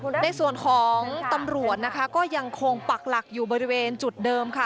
ในส่วนของตำรวจนะคะก็ยังคงปักหลักอยู่บริเวณจุดเดิมค่ะ